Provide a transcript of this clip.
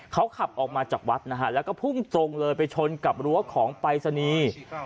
เขาขับออกมาจากวัดนะฮะแล้วก็พุ่งตรงเลยไปชนกับรั้วของปรายศนีย์